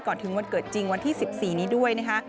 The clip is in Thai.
ถึงวันเกิดจริงวันที่๑๔นี้ด้วยนะคะ